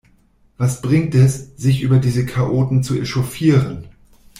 Was bringt es, sich über diese Chaoten zu echauffieren?